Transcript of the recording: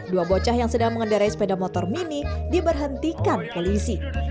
dua bocah yang sedang mengendarai sepeda motor mini diberhentikan polisi